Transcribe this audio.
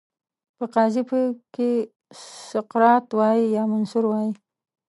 چې قاضي پکې سقراط وای، یا منصور وای